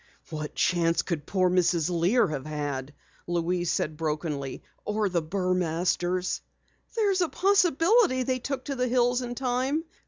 "What chance could poor Mrs. Lear have had," Louise said brokenly. "Or the Burmasters." "There's a possibility they took to the hills in time."